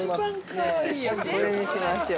◆これにしましょう。